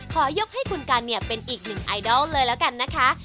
ขอยกให้คุณกันเนี่ยเป็นอีกหนึ่งไอดอลเลยแล้วกันนะคะ